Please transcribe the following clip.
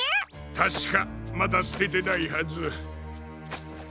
たしかまだすててないはず。